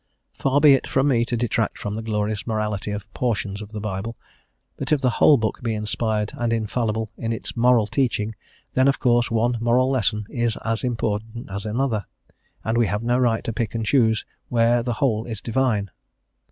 Far be it from me to detract from the glorious morality of portions of the Bible; but if the whole book be inspired and infallible in its moral teaching, then, of course, one moral lesson is as important as another, and we have no right to pick and choose where the whole is divine.